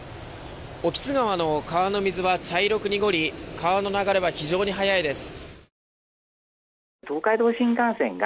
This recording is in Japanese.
興津川の川の水は茶色く濁り川の流れは非常に速いです。